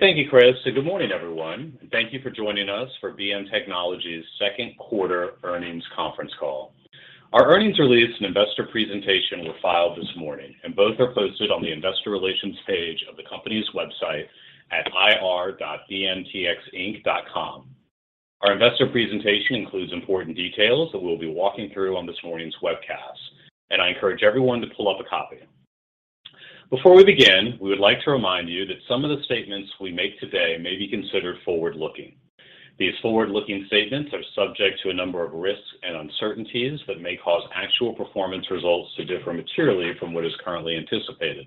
Thank you, Chris, and good morning, everyone, and thank you for joining us for BM Technologies' second quarter earnings conference call. Our earnings release and investor presentation were filed this morning, and both are posted on the investor relations page of the company's website at ir.bmtxinc.com. Our investor presentation includes important details that we'll be walking through on this morning's webcast, and I encourage everyone to pull up a copy. Before we begin, we would like to remind you that some of the statements we make today may be considered forward-looking. These forward-looking statements are subject to a number of risks and uncertainties that may cause actual performance results to differ materially from what is currently anticipated.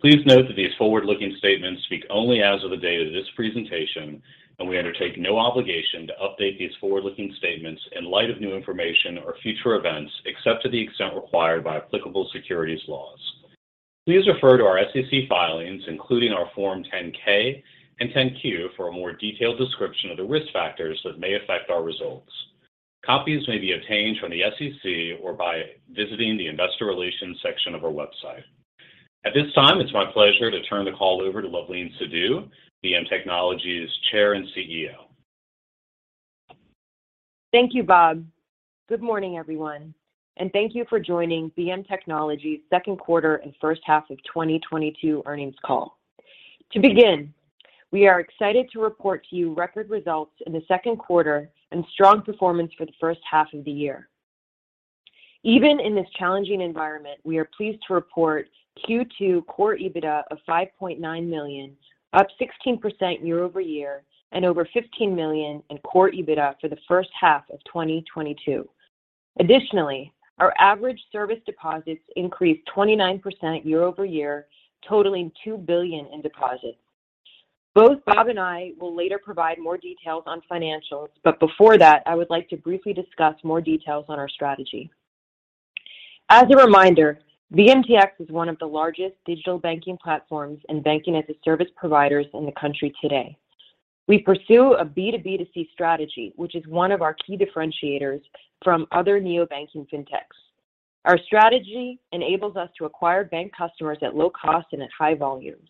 Please note that these forward-looking statements speak only as of the date of this presentation and we undertake no obligation to update these forward-looking statements in light of new information or future events except to the extent required by applicable securities laws. Please refer to our SEC filings, including our Form 10-K and 10-Q for a more detailed description of the risk factors that may affect our results. Copies may be obtained from the SEC or by visiting the investor relations section of our website. At this time, it's my pleasure to turn the call over to Luvleen Sidhu, BM Technologies Chair and CEO. Thank you, Bob. Good morning, everyone, and thank you for joining BM Technologies second quarter and first half of 2022 earnings call. To begin, we are excited to report to you record results in the second quarter and strong performance for the first half of the year. Even in this challenging environment, we are pleased to report Q2 core EBITDA of $5.9 million, up 16% year-over-year and over $15 million in core EBITDA for the first half of 2022. Additionally, our average service deposits increased 29% year-over-year, totaling $2 billion in deposits. Both Bob and I will later provide more details on financials, but before that, I would like to briefly discuss more details on our strategy. As a reminder, BMTX is one of the largest digital banking platforms and banking-as-a-service providers in the country today. We pursue a B2B2C strategy, which is one of our key differentiators from other neo-banking fintechs. Our strategy enables us to acquire bank customers at low cost and at high volumes.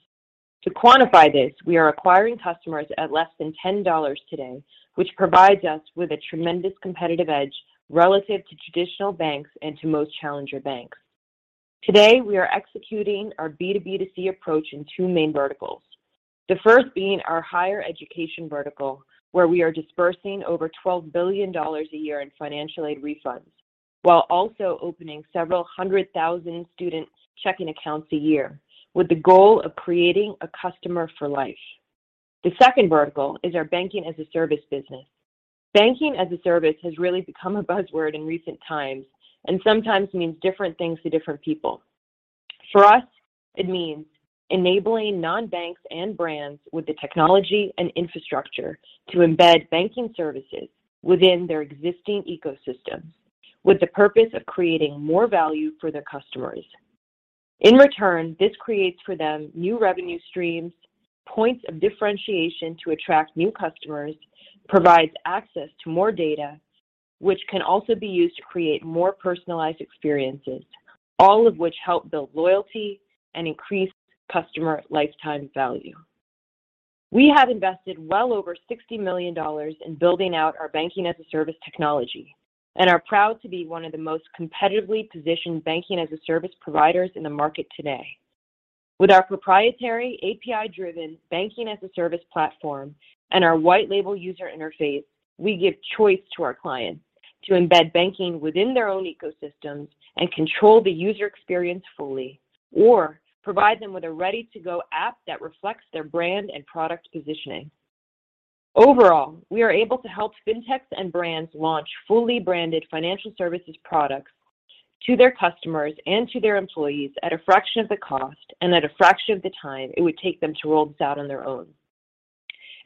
To quantify this, we are acquiring customers at less than $10 today, which provides us with a tremendous competitive edge relative to traditional banks and to most challenger banks. Today, we are executing our B2B2C approach in two main verticals. The first being our higher education vertical, where we are disbursing over $12 billion a year in financial aid refunds, while also opening several hundred thousand students' checking accounts a year with the goal of creating a customer for life. The second vertical is our Banking-as-a-Service business. Banking-as-a-Service has really become a buzzword in recent times, and sometimes means different things to different people. For us, it means enabling non-banks and brands with the technology and infrastructure to embed banking services within their existing ecosystems with the purpose of creating more value for their customers. In return, this creates for them new revenue streams, points of differentiation to attract new customers, provides access to more data, which can also be used to create more personalized experiences, all of which help build loyalty and increase customer lifetime value. We have invested well over $60 million in building out our Banking-as-a-Service technology and are proud to be one of the most competitively positioned Banking-as-a-Service providers in the market today. With our proprietary API-driven Banking-as-a-Service platform and our white-label user interface, we give choice to our clients to embed banking within their own ecosystems and control the user experience fully or provide them with a ready-to-go app that reflects their brand and product positioning. Overall, we are able to help fintechs and brands launch fully branded financial services products to their customers and to their employees at a fraction of the cost and at a fraction of the time it would take them to roll this out on their own.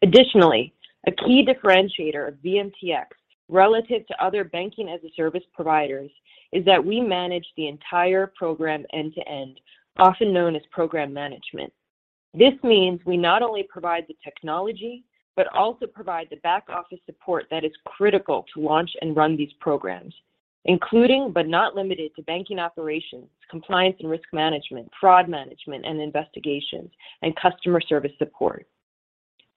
Additionally, a key differentiator of BMTX relative to other banking-as-a-service providers is that we manage the entire program end to end, often known as program management. This means we not only provide the technology, but also provide the back office support that is critical to launch and run these programs, including but not limited to banking operations, compliance and risk management, fraud management and investigations, and customer service support.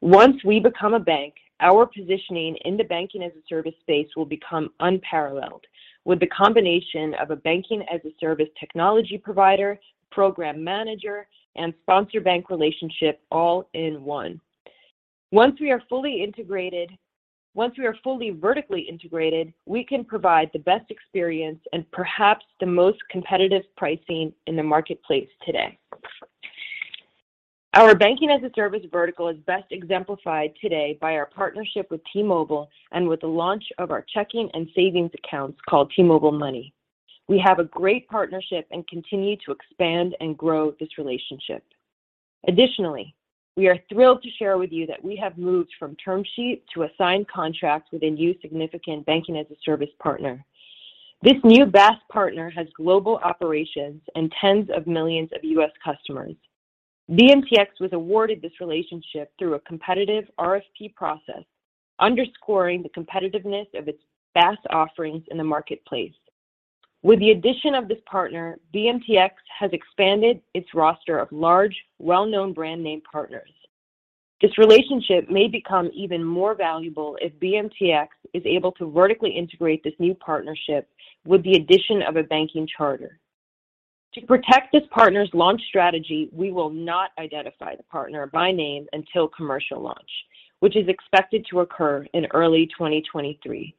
Once we become a bank, our positioning in the banking-as-a-service space will become unparalleled with the combination of a banking-as-a-service technology provider, program manager, and sponsor bank relationship all in one. Once we are fully vertically integrated, we can provide the best experience and perhaps the most competitive pricing in the marketplace today. Our Banking-as-a-Service vertical is best exemplified today by our partnership with T-Mobile and with the launch of our checking and savings accounts called T-Mobile Money. We have a great partnership and continue to expand and grow this relationship. Additionally, we are thrilled to share with you that we have moved from term sheet to a signed contract with a new significant Banking-as-a-Service partner. This new BaaS partner has global operations and tens of millions of U.S. customers. BMTX was awarded this relationship through a competitive RFP process, underscoring the competitiveness of its BaaS offerings in the marketplace. With the addition of this partner, BMTX has expanded its roster of large, well-known brand name partners. This relationship may become even more valuable if BMTX is able to vertically integrate this new partnership with the addition of a banking charter. To protect this partner's launch strategy, we will not identify the partner by name until commercial launch, which is expected to occur in early 2023.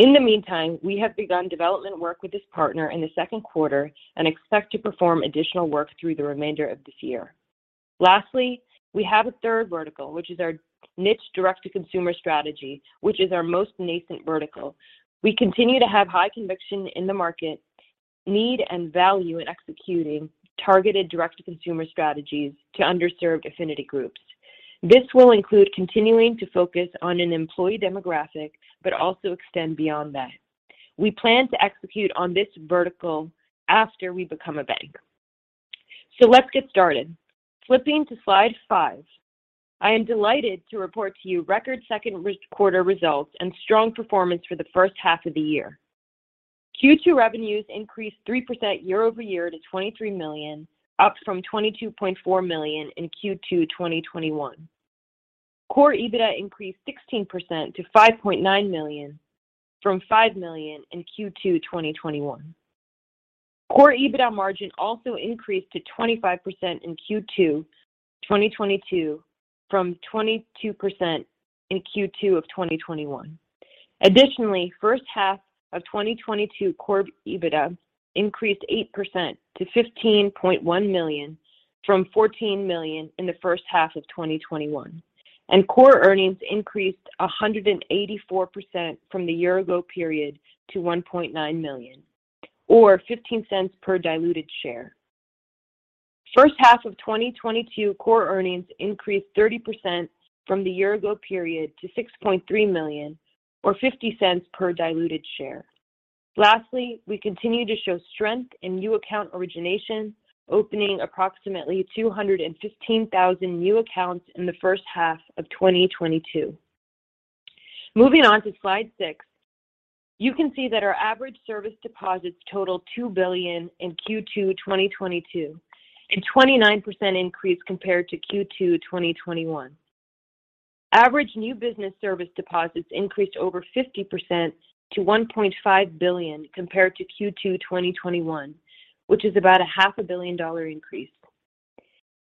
In the meantime, we have begun development work with this partner in the second quarter and expect to perform additional work through the remainder of this year. Lastly, we have a third vertical, which is our niche direct-to-consumer strategy, which is our most nascent vertical. We continue to have high conviction in the market need and value in executing targeted direct-to-consumer strategies to underserved affinity groups. This will include continuing to focus on an employee demographic but also extend beyond that. We plan to execute on this vertical after we become a bank. Let's get started. Flipping to slide five. I am delighted to report to you record second quarter results and strong performance for the first half of the year. Q2 revenues increased 3% year-over-year to $23 million, up from $22.4 million in Q2 2021. Core EBITDA increased 16% to $5.9 million from $5 million in Q2 2021. Core EBITDA margin also increased to 25% in Q2 2022 from 22% in Q2 of 2021. Additionally, first half of 2022 core EBITDA increased 8% to $15.1 million from $14 million in the first half of 2021. Core earnings increased 184% from the year ago period to $1.9 million or $0.15 per diluted share. First half of 2022 core earnings increased 30% from the year ago period to $6.3 million or $0.50 per diluted share. We continue to show strength in new account origination, opening approximately 215,000 new accounts in the first half of 2022. Moving on to slide six. You can see that our average service deposits totaled $2 billion in Q2 2022, a 29% increase compared to Q2 2021. Average new business service deposits increased over 50% to $1.5 billion compared to Q2 2021, which is about a half a billion dollar increase.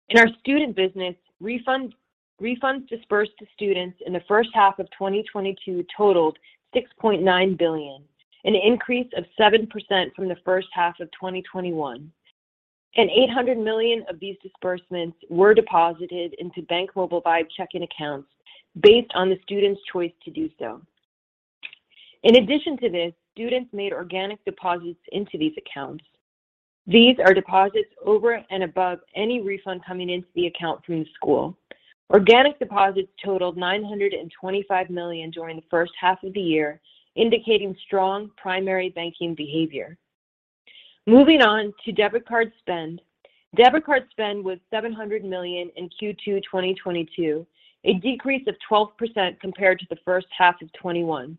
In our student business, refunds dispersed to students in the first half of 2022 totaled $6.9 billion, an increase of 7% from the first half of 2021. $800 million of these disbursements were deposited into BankMobile checking accounts based on the student's choice to do so. In addition to this, students made organic deposits into these accounts. These are deposits over and above any refund coming into the account from the school. Organic deposits totaled $925 million during the first half of the year, indicating strong primary banking behavior. Moving on to debit card spend. Debit card spend was $700 million in Q2 2022, a decrease of 12% compared to the first half of 2021,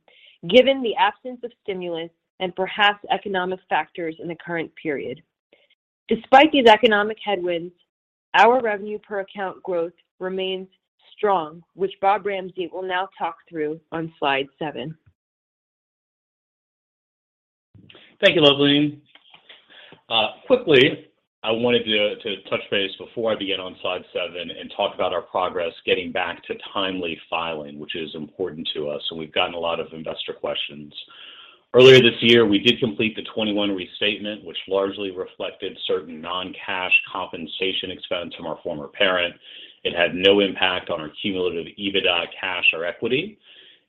given the absence of stimulus and perhaps economic factors in the current period. Despite these economic headwinds, our revenue per account growth remains strong, which Bob Ramsey will now talk through on slide seven. Thank you, Luvleen. Quickly, I wanted to touch base before I begin on slide seven and talk about our progress getting back to timely filing, which is important to us. We've gotten a lot of investor questions. Earlier this year, we did complete the 2021 restatement, which largely reflected certain non-cash compensation expense from our former parent. It had no impact on our cumulative EBITDA cash or equity.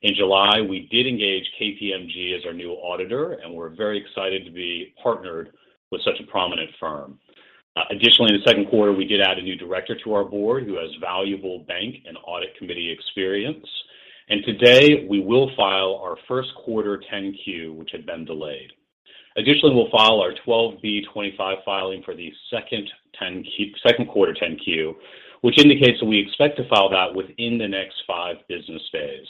In July, we did engage KPMG as our new auditor, and we're very excited to be partnered with such a prominent firm. Additionally, in the second quarter, we did add a new director to our board who has valuable bank and audit committee experience. Today, we will file our first quarter 10-Q, which had been delayed. Additionally, we'll file our 12b-25 filing for the second quarter 10-Q, which indicates that we expect to file that within the next five business days.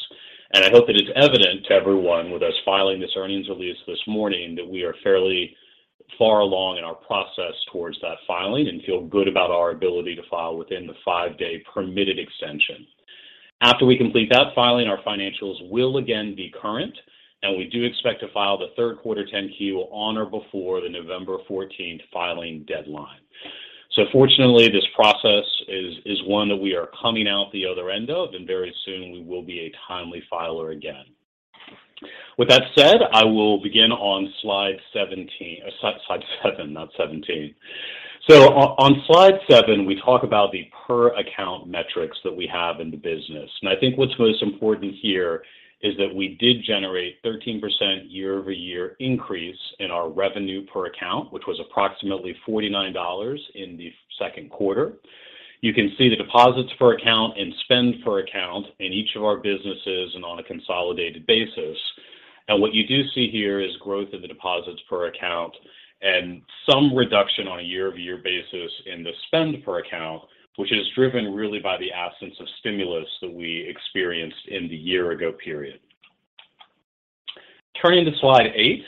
I hope that it's evident to everyone with us filing this earnings release this morning that we are fairly far along in our process towards that filing and feel good about our ability to file within the 5-day permitted extension. After we complete that filing, our financials will again be current, and we do expect to file the third quarter 10-Q on or before the November fourteenth filing deadline. Fortunately, this process is one that we are coming out the other end of, and very soon we will be a timely filer again. With that said, I will begin on slide 17. Slide seven, not 17. On slide seven, we talk about the per account metrics that we have in the business. I think what's most important here is that we did generate 13% year-over-year increase in our revenue per account, which was approximately $49 in the second quarter. You can see the deposits per account and spend per account in each of our businesses and on a consolidated basis. What you do see here is growth in the deposits per account. Some reduction on a year-over-year basis in the spend per account, which is driven really by the absence of stimulus that we experienced in the year-ago period. Turning to slide eight,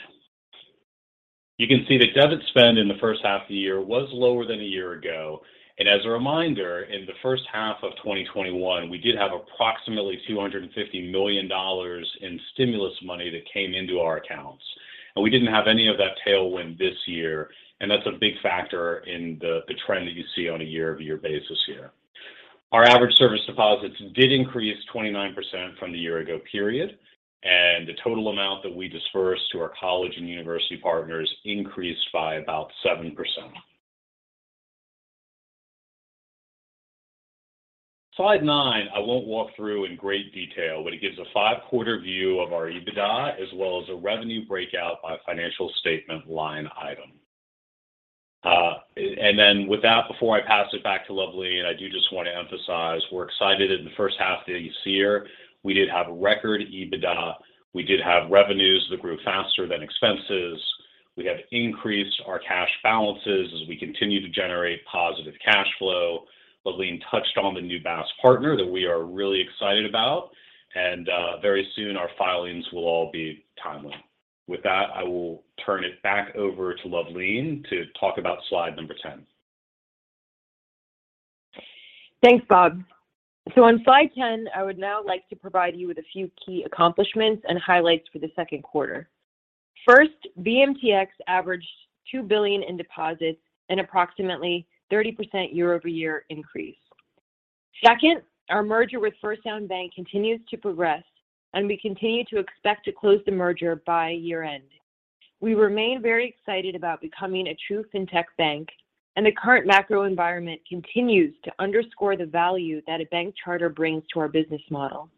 you can see the debit spend in the first half of the year was lower than a year ago. As a reminder, in the first half of 2021, we did have approximately $250 million in stimulus money that came into our accounts. We didn't have any of that tailwind this year, and that's a big factor in the trend that you see on a year-over-year basis here. Our average service deposits did increase 29% from the year ago period, and the total amount that we dispersed to our college and university partners increased by about 7%. Slide nine, I won't walk through in great detail, but it gives a five quarter view of our EBITDA as well as a revenue breakout by financial statement line item. With that, before I pass it back to Luvleen, I do just want to emphasize we're excited in the first half of this year. We did have a record EBITDA. We did have revenues that grew faster than expenses. We have increased our cash balances as we continue to generate positive cash flow. Luvleen touched on the new BaaS partner that we are really excited about, and very soon our filings will all be timely. With that, I will turn it back over to Luvleen to talk about slide number 10. Thanks, Bob. On slide 10, I would now like to provide you with a few key accomplishments and highlights for the second quarter. First, BMTX averaged $2 billion in deposits and approximately 30% year-over-year increase. Second, our merger with First Sound Bank continues to progress, and we continue to expect to close the merger by year-end. We remain very excited about becoming a true fintech bank, and the current macro environment continues to underscore the value that a bank charter brings to our business model.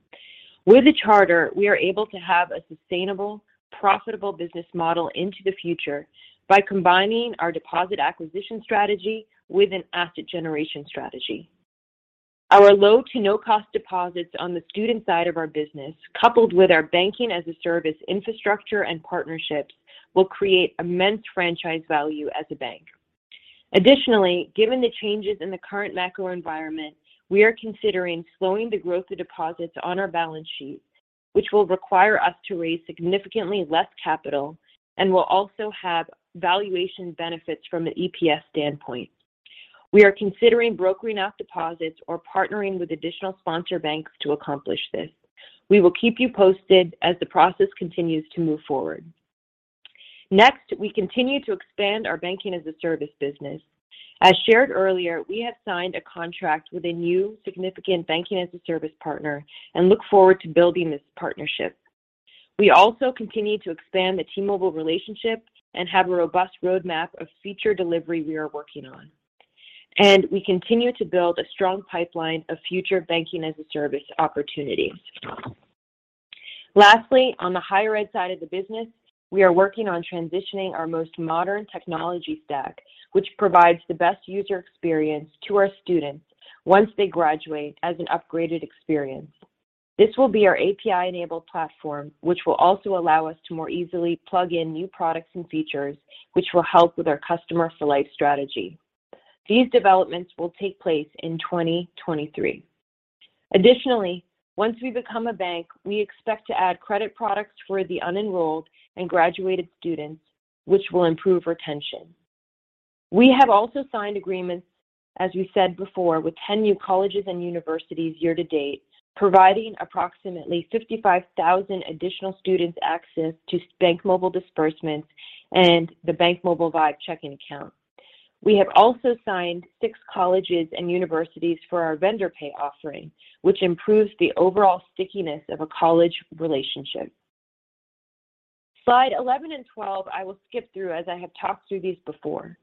With a charter, we are able to have a sustainable, profitable business model into the future by combining our deposit acquisition strategy with an asset generation strategy. Our low to no cost deposits on the student side of our business, coupled with our Banking-as-a-Service infrastructure and partnerships, will create immense franchise value as a bank. Additionally, given the changes in the current macro environment, we are considering slowing the growth of deposits on our balance sheet, which will require us to raise significantly less capital and will also have valuation benefits from the EPS standpoint. We are considering brokering out deposits or partnering with additional sponsor banks to accomplish this. We will keep you posted as the process continues to move forward. Next, we continue to expand our Banking-as-a-Service business. As shared earlier, we have signed a contract with a new significant banking-as-a-service partner and look forward to building this partnership. We also continue to expand the T-Mobile relationship and have a robust roadmap of future delivery we are working on. We continue to build a strong pipeline of future banking-as-a-service opportunities. Lastly, on the higher ed side of the business, we are working on transitioning our most modern technology stack, which provides the best user experience to our students once they graduate as an upgraded experience. This will be our API-enabled platform, which will also allow us to more easily plug in new products and features, which will help with our customer for life strategy. These developments will take place in 2023. Additionally, once we become a bank, we expect to add credit products for the unenrolled and graduated students, which will improve retention. We have also signed agreements, as we said before, with 10 new colleges and universities year to date, providing approximately 55,000 additional students access to BankMobile disbursements and the BankMobile Vibe checking account. We have also signed six colleges and universities for our Vendor Pay offering, which improves the overall stickiness of a college relationship. Slide 11 and 12 I will skip through as I have talked through these before.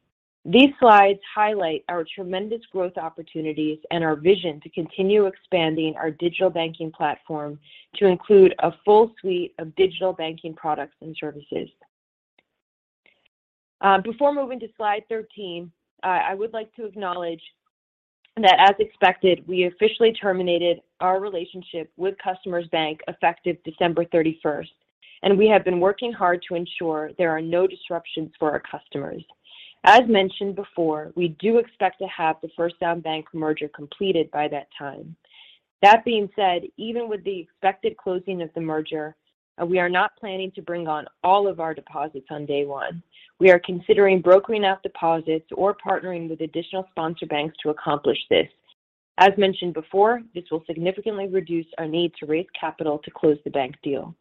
These slides highlight our tremendous growth opportunities and our vision to continue expanding our digital banking platform to include a full suite of digital banking products and services. Before moving to slide 13, I would like to acknowledge that, as expected, we officially terminated our relationship with Customers Bank effective December thirty-first, and we have been working hard to ensure there are no disruptions for our customers. As mentioned before, we do expect to have the First Sound Bank merger completed by that time. That being said, even with the expected closing of the merger, we are not planning to bring on all of our deposits on day one. We are considering brokering out deposits or partnering with additional sponsor banks to accomplish this. As mentioned before, this will significantly reduce our need to raise capital to close the bank deal.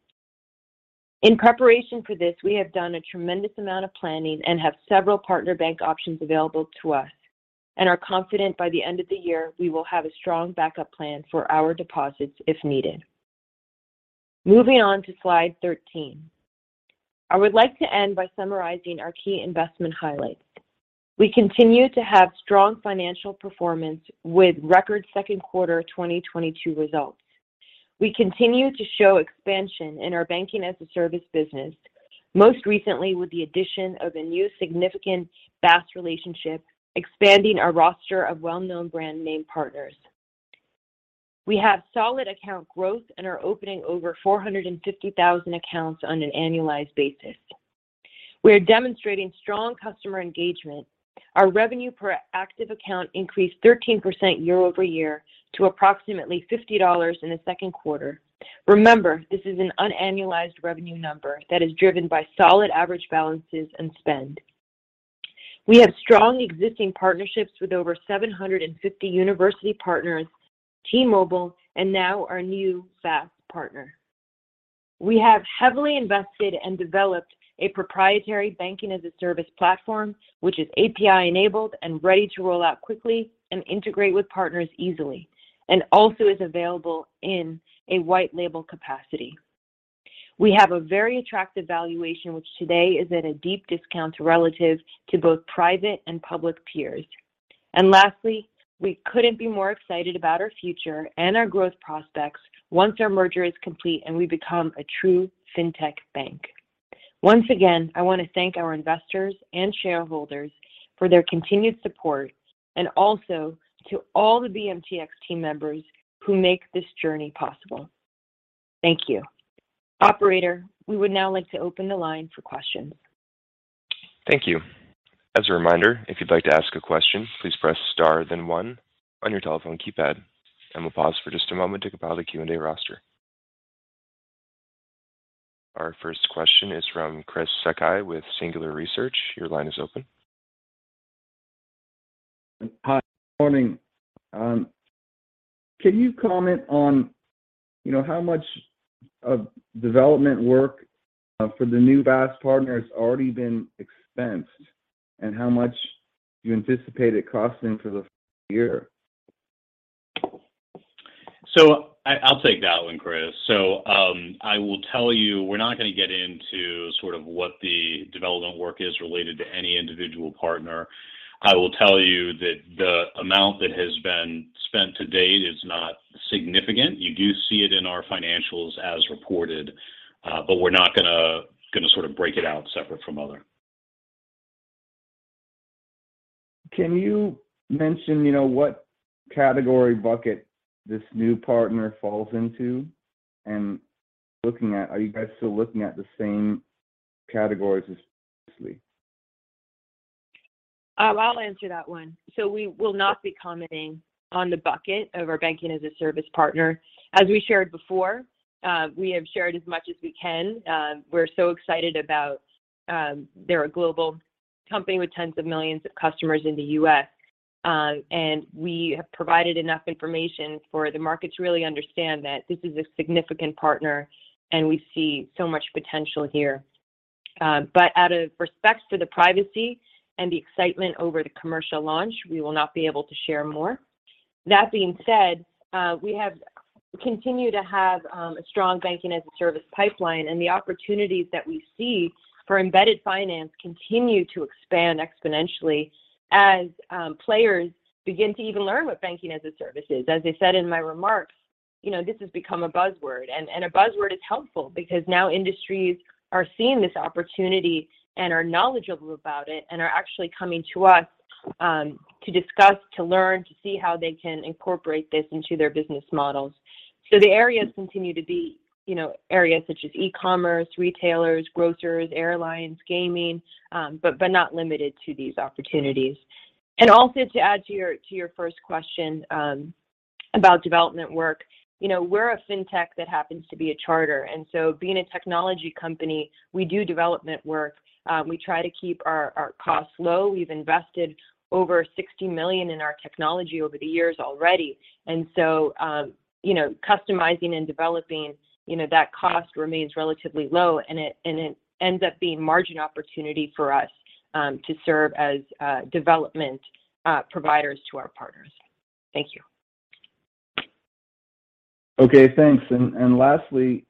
In preparation for this, we have done a tremendous amount of planning and have several partner bank options available to us and are confident by the end of the year we will have a strong backup plan for our deposits if needed. Moving on to slide 13. I would like to end by summarizing our key investment highlights. We continue to have strong financial performance with record second quarter 2022 results. We continue to show expansion in our Banking-as-a-Service business, most recently with the addition of a new significant BaaS relationship, expanding our roster of well-known brand name partners. We have solid account growth and are opening over 450,000 accounts on an annualized basis. We are demonstrating strong customer engagement. Our revenue per active account increased 13% year-over-year to approximately $50 in the second quarter. Remember, this is an unannualized revenue number that is driven by solid average balances and spend. We have strong existing partnerships with over 750 university partners, T-Mobile, and now our new SaaS partner. We have heavily invested and developed a proprietary Banking-as-a-Service platform, which is API-enabled and ready to roll out quickly and integrate with partners easily, and also is available in a white-label capacity. We have a very attractive valuation, which today is at a deep discount relative to both private and public peers. Lastly, we couldn't be more excited about our future and our growth prospects once our merger is complete and we become a true fintech bank. Once again, I want to thank our investors and shareholders for their continued support and also to all the BMTX team members who make this journey possible. Thank you. Operator, we would now like to open the line for questions. Thank you. As a reminder, if you'd like to ask a question, please press star then one on your telephone keypad. We'll pause for just a moment to compile the Q&A roster. Our first question is from Chris Sakai with Singular Research. Your line is open. Hi. Morning. Can you comment on, you know, how much of development work for the new BaaS partner has already been expensed and how much you anticipate it costing for the full year? I'll take that one, Chris. I will tell you, we're not going to get into sort of what the development work is related to any individual partner. I will tell you that the amount that has been spent to date is not significant. You do see it in our financials as reported, but we're not gonna sort of break it out separate from other. Can you mention, you know, what category bucket this new partner falls into? Looking at are you guys still looking at the same categories as previously? I'll answer that one. We will not be commenting on the name of our Banking-as-a-Service partner. As we shared before, we have shared as much as we can. We're so excited about, they're a global company with tens of millions of customers in the U.S. And we have provided enough information for the market to really understand that this is a significant partner, and we see so much potential here. But out of respect for the privacy and the excitement over the commercial launch, we will not be able to share more. That being said, we have continued to have a strong Banking-as-a-Service pipeline, and the opportunities that we see for embedded finance continue to expand exponentially as players begin to even learn what Banking-as-a-Service is. As I said in my remarks, you know, this has become a buzzword, and a buzzword is helpful because now industries are seeing this opportunity and are knowledgeable about it and are actually coming to us, to discuss, to learn, to see how they can incorporate this into their business models. The areas continue to be, you know, areas such as e-commerce, retailers, grocers, airlines, gaming, but not limited to these opportunities. Also to add to your first question, about development work. You know, we're a fintech that happens to be a charter, and so being a technology company, we do development work. We try to keep our costs low. We've invested over $60 million in our technology over the years already. You know, customizing and developing, you know, that cost remains relatively low, and it ends up being margin opportunity for us, to serve as development providers to our partners. Thank you. Okay, thanks. Lastly,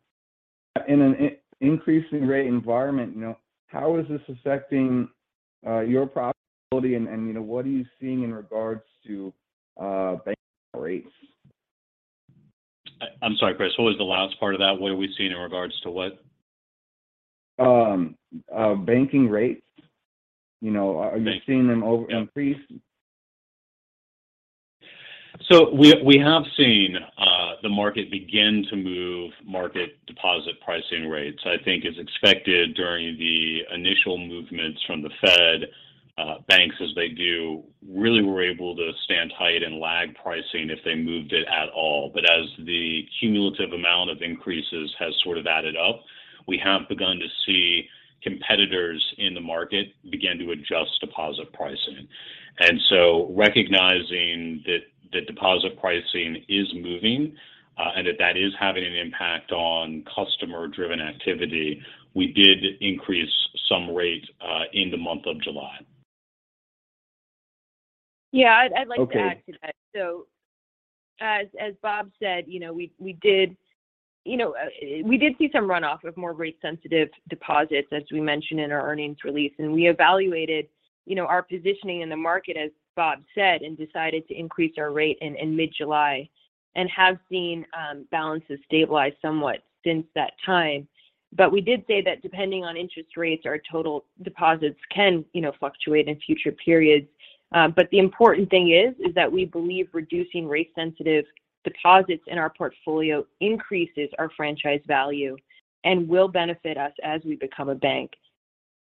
in an increasing rate environment, you know, how is this affecting your profitability? You know, what are you seeing in regards to banking rates? I'm sorry, Chris, what was the last part of that? What are we seeing in regards to what? Banking rates. You know. Banking. Are you seeing them over increase? We have seen the market begin to move market deposit pricing rates. I think as expected during the initial movements from the Fed, banks as they do really were able to stand tight and lag pricing if they moved it at all. As the cumulative amount of increases has sort of added up, we have begun to see competitors in the market begin to adjust deposit pricing. Recognizing that the deposit pricing is moving, and that that is having an impact on customer-driven activity, we did increase some rates in the month of July. Yeah. I'd like to add to that. Okay. As Bob said, we did see some runoff of more rate-sensitive deposits, as we mentioned in our earnings release. We evaluated our positioning in the market, as Bob said, and decided to increase our rate in mid-July and have seen balances stabilize somewhat since that time. We did say that depending on interest rates, our total deposits can fluctuate in future periods. The important thing is that we believe reducing rate-sensitive deposits in our portfolio increases our franchise value and will benefit us as we become a bank.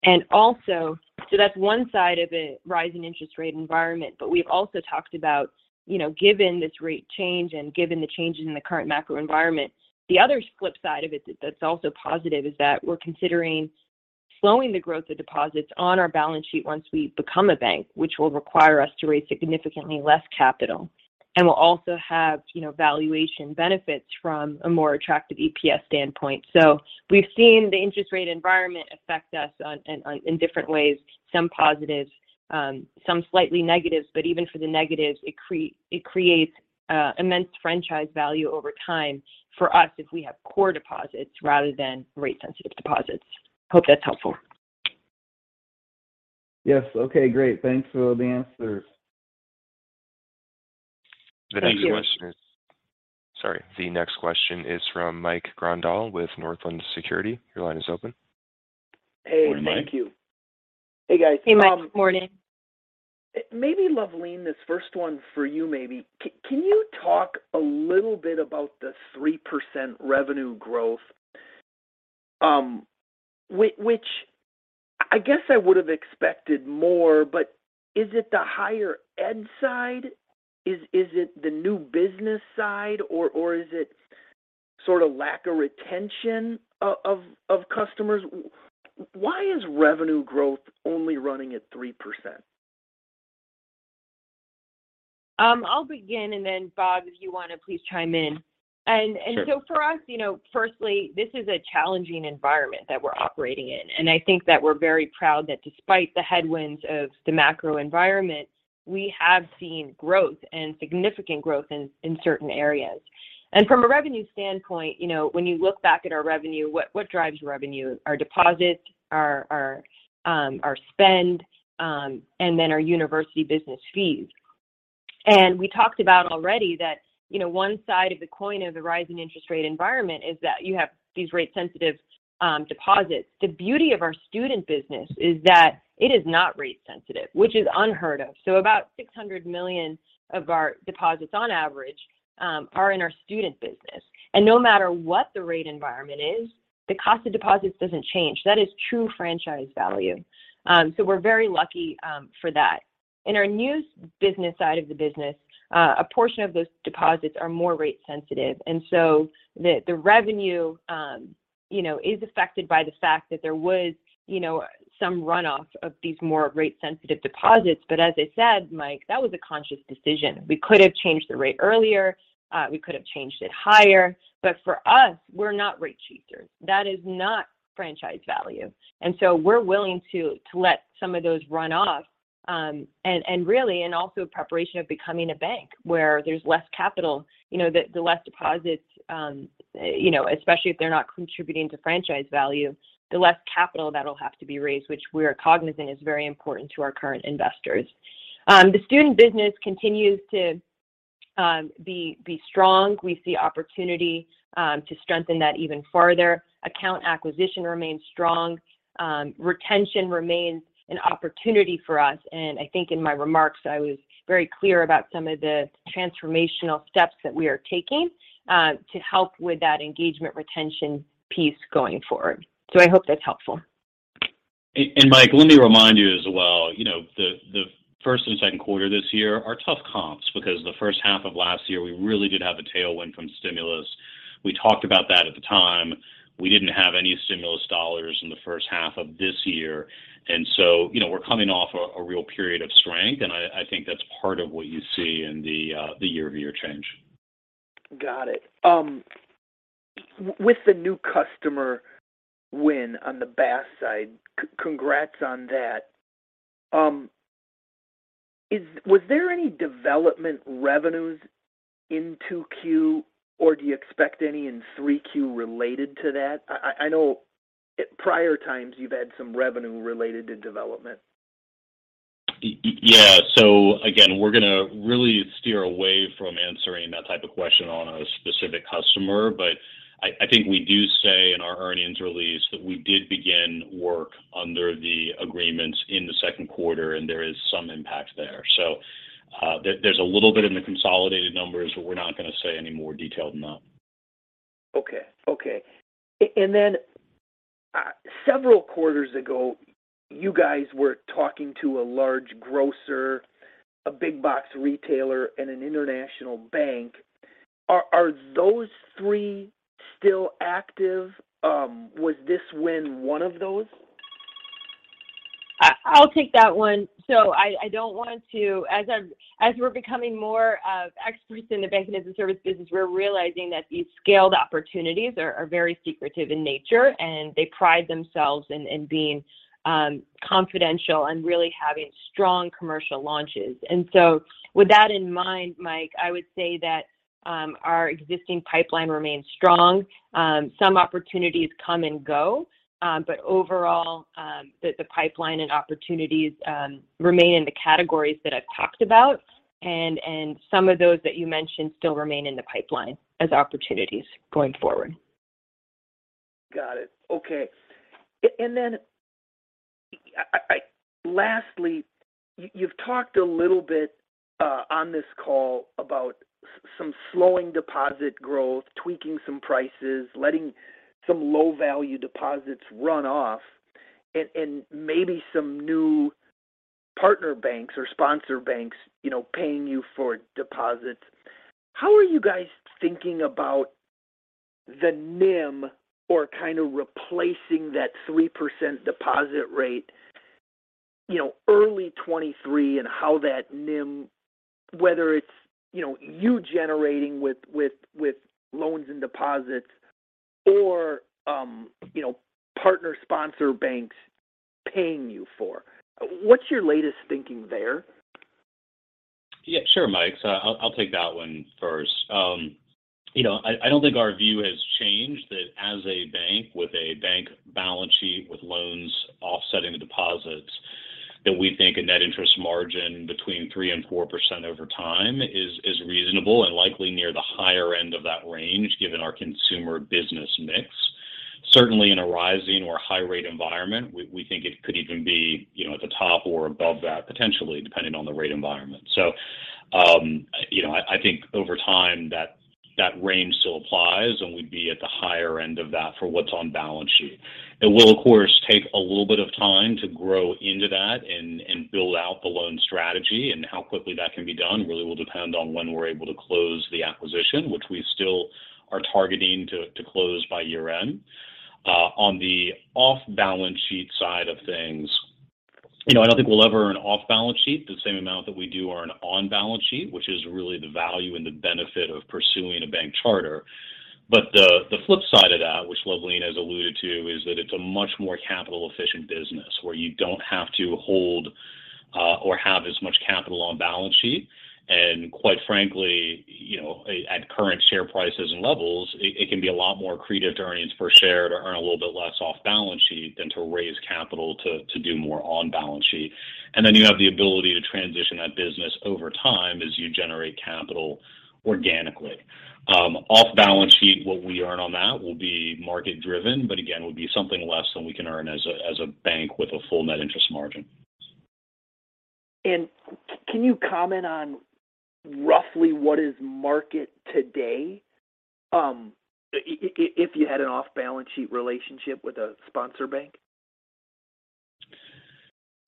That's one side of a rising interest rate environment. We've also talked about, you know, given this rate change and given the changes in the current macro environment, the other flip side of it that's also positive is that we're considering slowing the growth of deposits on our balance sheet once we become a bank, which will require us to raise significantly less capital. We'll also have, you know, valuation benefits from a more attractive EPS standpoint. We've seen the interest rate environment affect us in different ways, some positive, some slightly negative. Even for the negatives, it creates immense franchise value over time for us if we have core deposits rather than rate-sensitive deposits. Hope that's helpful. Yes. Okay, great. Thanks for the answers. Thank you. The next question is from Mike Grondahl with Northland Securities. Your line is open. Hey, thank you. Morning, Mike. Hey, guys. Hey, Mike. Morning. Maybe Luvleen, this first one for you maybe. Can you talk a little bit about the 3% revenue growth? Which I guess I would have expected more, but is it the higher ed side? Is it the new business side or is it sort of lack of retention of customers? Why is revenue growth only running at 3%? I'll begin and then Bob, if you want to please chime in. Sure. for us, you know, firstly, this is a challenging environment that we're operating in. I think that we're very proud that despite the headwinds of the macro environment, we have seen growth and significant growth in certain areas. From a revenue standpoint, you know, when you look back at our revenue, what drives revenue? Our deposits, our spend, and then our university business fees. We talked about already that, you know, one side of the coin of the rising interest rate environment is that you have these rate-sensitive deposits. The beauty of our student business is that it is not rate sensitive, which is unheard of. About $600 million of our deposits on average are in our student business. No matter what the rate environment is, the cost of deposits doesn't change. That is true franchise value. We're very lucky for that. In our new business side of the business, a portion of those deposits are more rate sensitive. The revenue, you know, is affected by the fact that there was, you know, some runoff of these more rate-sensitive deposits. As I said, Mike, that was a conscious decision. We could have changed the rate earlier. We could have changed it higher. For us, we're not rate chasers. That is not franchise value. We're willing to let some of those run off. Really in also preparation of becoming a bank where there's less capital. You know, the less deposits, you know, especially if they're not contributing to franchise value, the less capital that'll have to be raised, which we are cognizant is very important to our current investors. The student business continues to be strong. We see opportunity to strengthen that even further. Account acquisition remains strong. Retention remains an opportunity for us. I think in my remarks, I was very clear about some of the transformational steps that we are taking to help with that engagement retention piece going forward. I hope that's helpful. Mike, let me remind you as well, you know, the first and second quarter this year are tough comps because the first half of last year, we really did have a tailwind from stimulus. We talked about that at the time. We didn't have any stimulus dollars in the first half of this year. You know, we're coming off a real period of strength, and I think that's part of what you see in the year-over-year change. Got it. With the new customer win on the BaaS side, congrats on that. Was there any development revenues in 2Q or do you expect any in 3Q related to that? I know at prior times you've had some revenue related to development. Yeah. Again, we're gonna really steer away from answering that type of question on a specific customer. I think we do say in our earnings release that we did begin work under the agreements in the second quarter, and there is some impact there. There's a little bit in the consolidated numbers, but we're not going to say any more detail than that. Okay. Several quarters ago, you guys were talking to a large grocer, a big box retailer, and an international bank. Are those three still active? Was this win one of those? I'll take that one. I don't want to. As we're becoming more of experts in the Banking-as-a-Service business, we're realizing that these scaled opportunities are very secretive in nature, and they pride themselves in being confidential and really having strong commercial launches. With that in mind, Mike, I would say that Our existing pipeline remains strong. Some opportunities come and go. Overall, the pipeline and opportunities remain in the categories that I've talked about. Some of those that you mentioned still remain in the pipeline as opportunities going forward. Got it. Okay. Lastly, you've talked a little bit on this call about some slowing deposit growth, tweaking some prices, letting some low-value deposits run off and maybe some new partner banks or sponsor banks, you know, paying you for deposits. How are you guys thinking about the NIM or kind of replacing that 3% deposit rate, you know, early 2023 and how that NIM whether it's, you know, you generating with loans and deposits or, you know, partner sponsor banks paying you for? What's your latest thinking there? Yeah. Sure, Mike. I'll take that one first. You know, I don't think our view has changed that as a bank with a bank balance sheet with loans offsetting the deposits, that we think a net interest margin between 3%-4% over time is reasonable and likely near the higher end of that range given our consumer business mix. Certainly in a rising or high-rate environment, we think it could even be, you know, at the top or above that potentially depending on the rate environment. You know, I think over time that range still applies, and we'd be at the higher end of that for what's on balance sheet. It will, of course, take a little bit of time to grow into that and build out the loan strategy. How quickly that can be done really will depend on when we're able to close the acquisition, which we still are targeting to close by year-end. On the off-balance sheet side of things, you know, I don't think we'll ever do an off-balance sheet the same amount that we do an on-balance sheet, which is really the value and the benefit of pursuing a bank charter. The flip side of that, which Luvleen has alluded to, is that it's a much more capital efficient business where you don't have to hold or have as much capital on balance sheet. Quite frankly, you know, at current share prices and levels, it can be a lot more accretive to earnings per share to earn a little bit less off-balance sheet than to raise capital to do more on balance sheet. You have the ability to transition that business over time as you generate capital organically. Off balance sheet, what we earn on that will be market-driven, but again, will be something less than we can earn as a bank with a full net interest margin. Can you comment on roughly what the market is today, if you had an off-balance sheet relationship with a sponsor bank?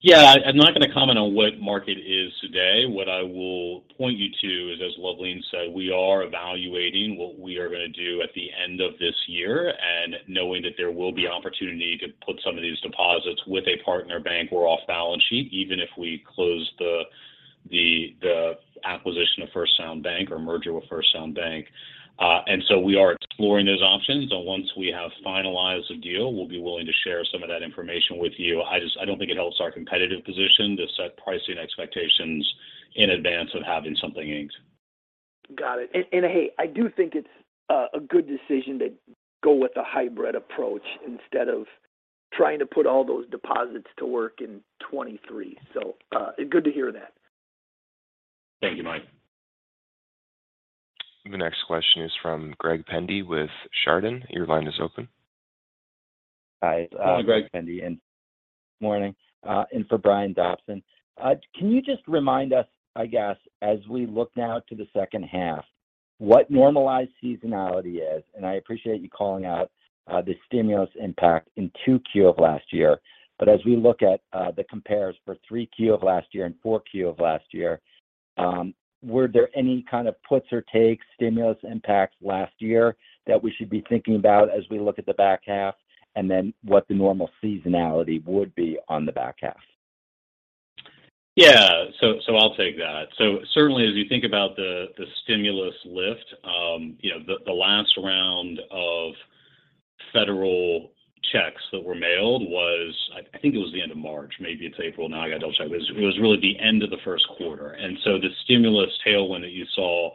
Yeah. I'm not going to comment on what market is today. What I will point you to is, as Luvleen said, we are evaluating what we are going to do at the end of this year and knowing that there will be opportunity to put some of these deposits with a partner bank or off balance sheet, even if we close the acquisition of First Sound Bank or merger with First Sound Bank. We are exploring those options. Once we have finalized the deal, we'll be willing to share some of that information with you. I just don't think it helps our competitive position to set pricing expectations in advance of having something inked. Got it. Hey, I do think it's a good decision to go with a hybrid approach instead of trying to put all those deposits to work in 2023. Good to hear that. Thank you, Mike. The next question is from Greg Pendy with Chardan. Your line is open. Hi. Good morning, Greg. Morning. In for Brian Dobson. Can you just remind us, I guess, as we look now to the second half, what normalized seasonality is? I appreciate you calling out the stimulus impact in 2Q of last year. As we look at the compares for 3Q of last year and 4Q of last year, were there any kind of puts or takes stimulus impacts last year that we should be thinking about as we look at the back half? Then what the normal seasonality would be on the back half? Yeah. I'll take that. Certainly, as you think about the stimulus lift, you know, the last round of federal checks that were mailed was, I think, the end of March, maybe it's April. Now I got to double-check. It was really the end of the first quarter. The stimulus tailwind that you saw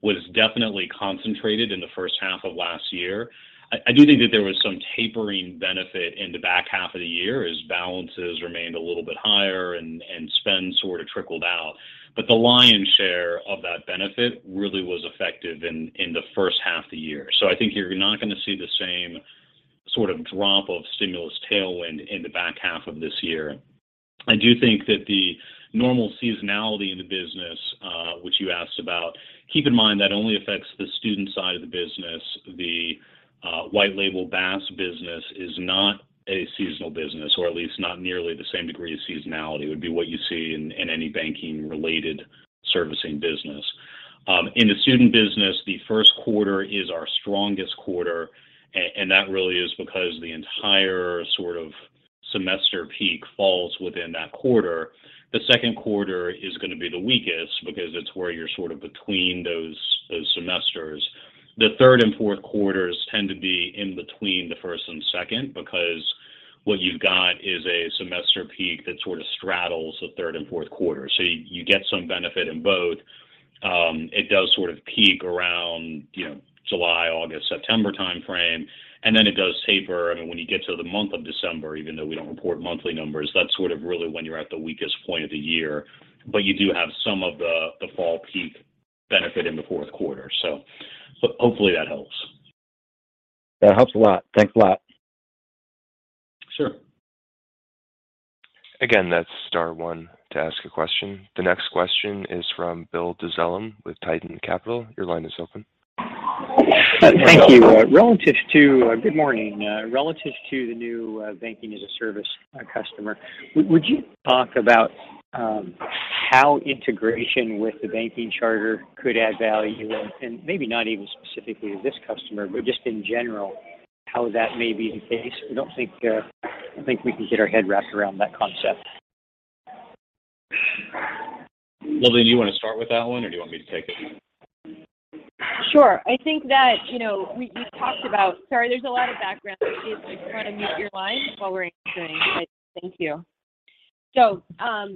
was definitely concentrated in the first half of last year. I do think that there was some tapering benefit in the back half of the year as balances remained a little bit higher and spend sort of trickled out. The lion's share of that benefit really was effective in the first half of the year. I think you're not going to see the same sort of drop of stimulus tailwind in the back half of this year. I do think that the normal seasonality in the business, which you asked about, keep in mind, that only affects the student side of the business. The white-label BaaS business is not a seasonal business, or at least not nearly the same degree of seasonality would be what you see in any banking-related servicing business. In the student business, the first quarter is our strongest quarter, and that really is because the entire sort of semester peak falls within that quarter. The second quarter is going to be the weakest because it's where you're sort of between those semesters. The third and fourth quarters tend to be in between the first and second because what you've got is a semester peak that sort of straddles the third and fourth quarter. You get some benefit in both. It does sort of peak around, you know, July, August, September time frame, and then it does taper. I mean, when you get to the month of December, even though we don't report monthly numbers, that's sort of really when you're at the weakest point of the year. You do have some of the fall peak benefit in the fourth quarter. Hopefully that helps. That helps a lot. Thanks a lot. Sure. Again, that's star one to ask a question. The next question is from Bill Dezellem with Titan Capital. Your line is open. Good morning. Relative to the new Banking-as-a-Service customer, would you talk about how integration with the banking charter could add value? Maybe not even specifically to this customer, but just in general, how that may be the case. I think we can get our head wrapped around that concept. Luvleen, do you want to start with that one, or do you want me to take it? Sure. I think that, you know, we talked about. Sorry, there's a lot of background noise. If you want to mute your lines while we're answering. Thank you. I think that,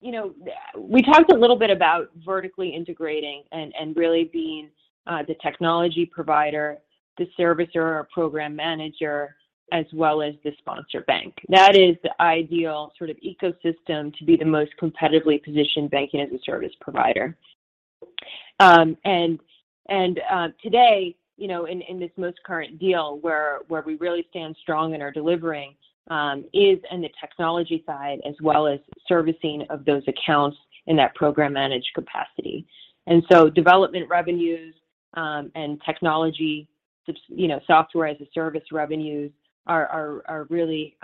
you know, we talked a little bit about vertically integrating and really being the technology provider, the servicer or program manager, as well as the sponsor bank. That is the ideal sort of ecosystem to be the most competitively positioned Banking-as-a-Service provider. Today, you know, in this most current deal where we really stand strong in our delivering is in the technology side as well as servicing of those accounts in that program managed capacity. Development revenues and technology, you know, software-as-a-service revenues are really,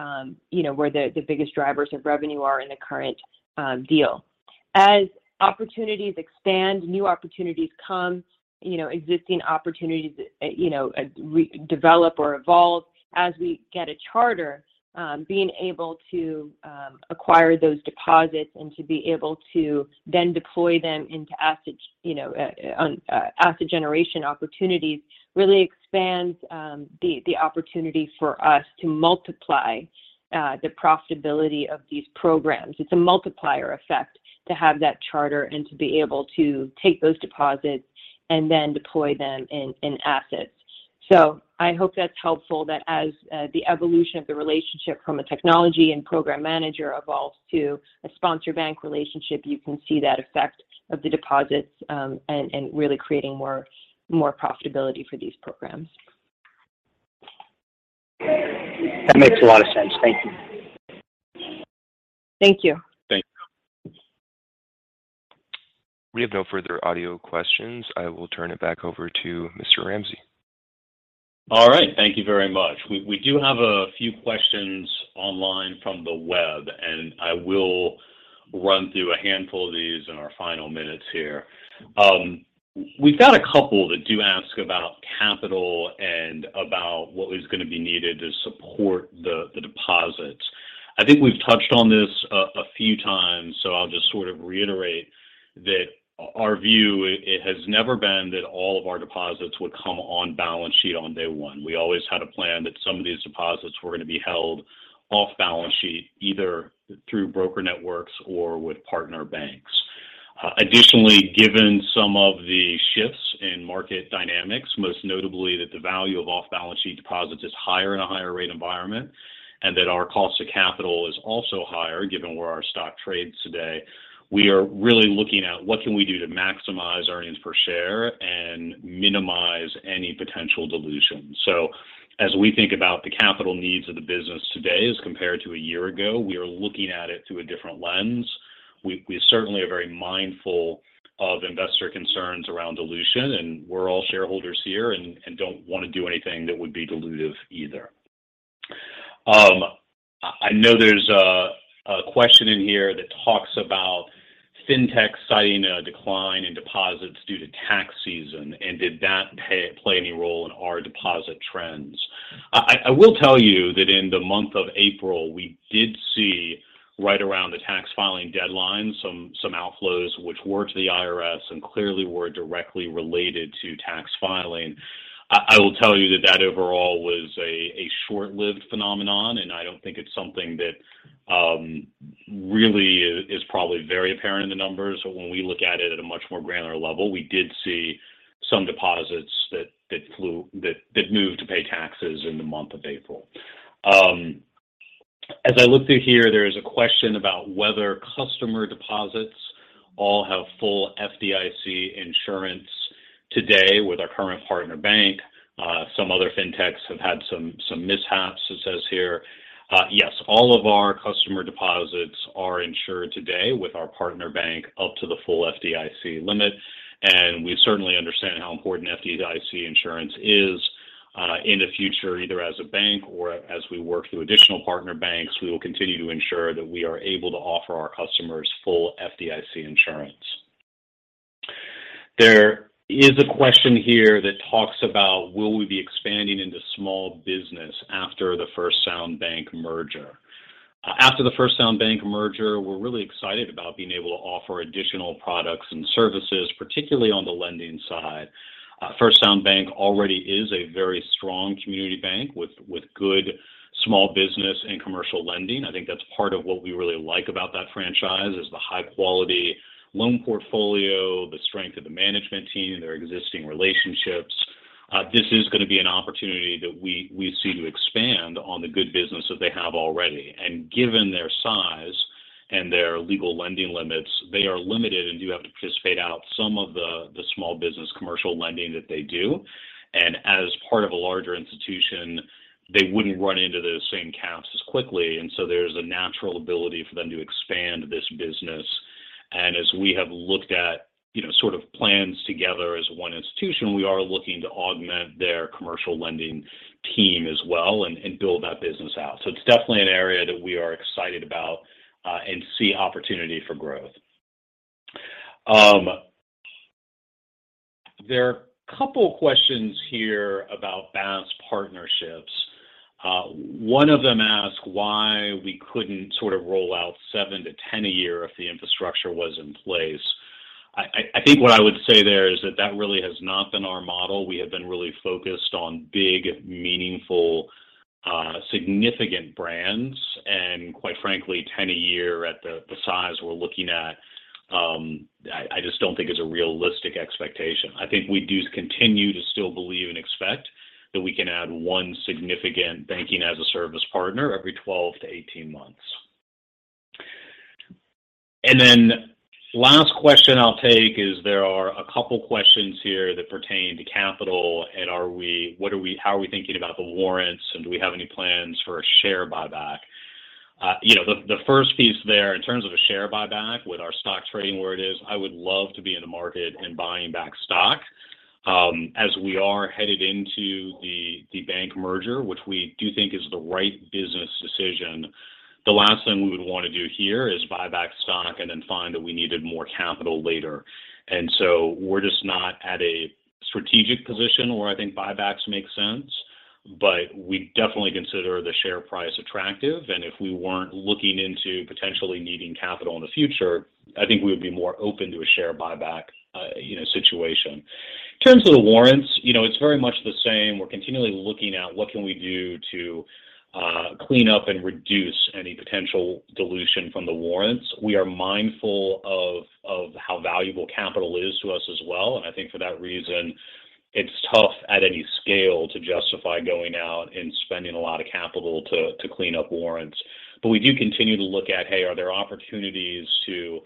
you know, where the biggest drivers of revenue are in the current deal. As opportunities expand, new opportunities come, you know, existing opportunities, you know, re-develop or evolve. As we get a charter, being able to acquire those deposits and to be able to then deploy them into asset generation opportunities really expands the opportunity for us to multiply the profitability of these programs. It's a multiplier effect to have that charter and to be able to take those deposits and then deploy them in assets. I hope that's helpful that as the evolution of the relationship from a technology and program manager evolves to a sponsor bank relationship, you can see that effect of the deposits and really creating more profitability for these programs. That makes a lot of sense. Thank you. Thank you. Thank you. We have no further audio questions. I will turn it back over to Mr. Ramsey. All right. Thank you very much. We do have a few questions online from the web, and I will run through a handful of these in our final minutes here. We've got a couple that do ask about capital and about what is going to be needed to support the deposits. I think we've touched on this a few times, so I'll just sort of reiterate that our view it has never been that all of our deposits would come on balance sheet on day one. We always had a plan that some of these deposits were going to be held off balance sheet, either through broker networks or with partner banks. Additionally, given some of the shifts in market dynamics, most notably that the value of off balance sheet deposits is higher in a higher rate environment and that our cost of capital is also higher given where our stock trades today, we are really looking at what can we do to maximize earnings per share and minimize any potential dilution. As we think about the capital needs of the business today as compared to a year ago, we are looking at it through a different lens. We certainly are very mindful of investor concerns around dilution, and we're all shareholders here and don't want to do anything that would be dilutive either. I know there's a question in here that talks about fintech citing a decline in deposits due to tax season, and did that play any role in our deposit trends? I will tell you that in the month of April, we did see right around the tax filing deadline some outflows which were to the IRS and clearly were directly related to tax filing. I will tell you that overall was a short-lived phenomenon, and I don't think it's something that really is probably very apparent in the numbers. When we look at it at a much more granular level, we did see some deposits that moved to pay taxes in the month of April. As I look through here, there is a question about whether customer deposits all have full FDIC insurance today with our current partner bank. Some other fintechs have had some mishaps, it says here. Yes, all of our customer deposits are insured today with our partner bank up to the full FDIC limit, and we certainly understand how important FDIC insurance is. In the future, either as a bank or as we work through additional partner banks, we will continue to ensure that we are able to offer our customers full FDIC insurance. There is a question here that talks about will we be expanding into small business after the First Sound Bank merger? After the First Sound Bank merger, we're really excited about being able to offer additional products and services, particularly on the lending side. First Sound Bank already is a very strong community bank with good small business and commercial lending. I think that's part of what we really like about that franchise is the high quality loan portfolio, the strength of the management team, their existing relationships. This is going to be an opportunity that we see to expand on the good business that they have already. Given their size and their legal lending limits, they are limited and do have to participate out some of the small business commercial lending that they do. As part of a larger institution, they wouldn't run into those same caps as quickly. There's a natural ability for them to expand this business. As we have looked at, you know, sort of plans together as one institution, we are looking to augment their commercial lending team as well and build that business out. It's definitely an area that we are excited about, and see opportunity for growth. There are a couple of questions here about bank's partnerships. One of them asked why we couldn't sort of roll out seven-10 a year if the infrastructure was in place. I think what I would say there is that really has not been our model. We have been really focused on big, meaningful, significant brands. Quite frankly, 10 a year at the size we're looking at, I just don't think is a realistic expectation. I think we do continue to still believe and expect that we can add one significant Banking-as-a-Service partner every 12-18 months. Then last question I'll take is there are a couple questions here that pertain to capital and how are we thinking about the warrants, and do we have any plans for a share buyback? You know, the first piece there, in terms of a share buyback with our stock trading where it is, I would love to be in the market and buying back stock. As we are headed into the bank merger, which we do think is the right business decision, the last thing we would want to do here is buy back stock and then find that we needed more capital later. We're just not at a strategic position where I think buybacks make sense. We definitely consider the share price attractive. If we weren't looking into potentially needing capital in the future, I think we would be more open to a share buyback, you know, situation. In terms of the warrants, you know, it's very much the same. We're continually looking at what can we do to clean up and reduce any potential dilution from the warrants. We are mindful of how valuable capital is to us as well. I think for that reason, it's tough at any scale to justify going out and spending a lot of capital to clean up warrants. We do continue to look at, hey, are there opportunities to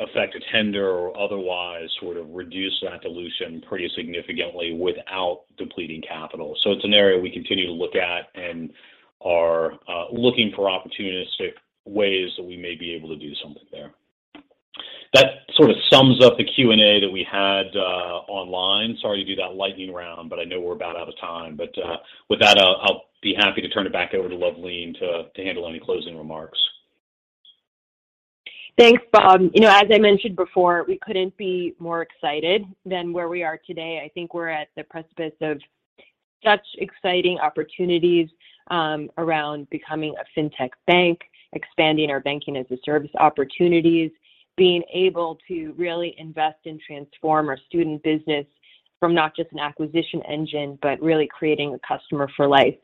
affect a tender or otherwise sort of reduce that dilution pretty significantly without depleting capital. It's an area we continue to look at and are looking for opportunistic ways that we may be able to do something there. That sort of sums up the Q&A that we had online. Sorry to do that lightning round, but I know we're about out of time. With that, I'll be happy to turn it back over to Luvleen to handle any closing remarks. Thanks, Bob. You know, as I mentioned before, we couldn't be more excited than where we are today. I think we're at the precipice of such exciting opportunities around becoming a fintech bank, expanding our Banking-as-a-Service opportunities, being able to really invest and transform our student business from not just an acquisition engine, but really creating a customer for life.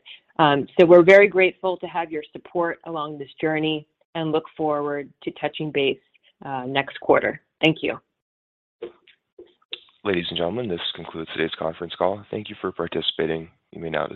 We're very grateful to have your support along this journey and look forward to touching base next quarter. Thank you. Ladies and gentlemen, this concludes today's conference call. Thank you for participating. You may now disconnect.